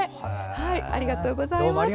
ありがとうございます。